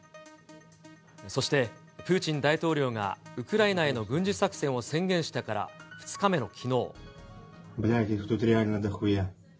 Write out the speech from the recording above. そして、プーチン大統領がウクライナへの軍事作戦を宣言してから２日目のきのう。